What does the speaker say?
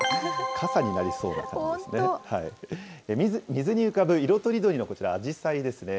水に浮かぶ色とりどりのこちら、アジサイですね。